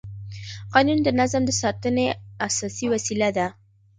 قانون د نظم د ساتنې اساسي وسیله ده.